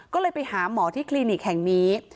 ก็เลยไปหาหมอที่คลินิกแห่งนี้